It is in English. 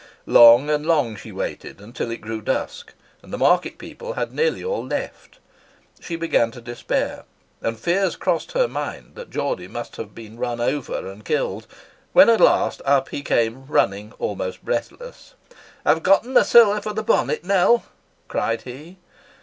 Long and long she waited, until it grew dusk, and the market people had nearly all left. She had begun to despair, and fears crossed her mind that Geordie must have been run over and killed; when at last up he came running, almost breathless. "I've gotten the siller for the bonnet, Nell!" cried he.